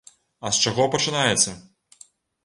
А з чаго пачынаецца?